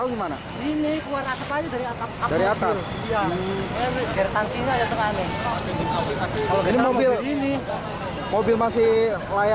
ini mobil masih layak